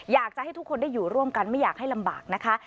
อยากจะให้ทุกคนได้อยู่ร่วมกันไม่อยากให้ลำบากนะคะ